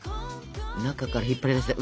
中から引っ張り出して。